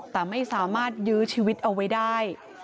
แต่ไม่สามารถยื้อชีวิตเอาไว้ได้